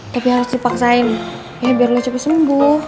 tapi harus dipaksain ya biar lo cepet sembuh